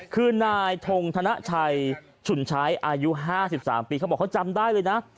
คือนายทงธนชัยฉุนใช้อายุ๕๓ปีเขาบอกเขาจำได้เลยนะ